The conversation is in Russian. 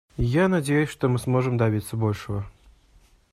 Я надеюсь, что мы сможем добиться большего.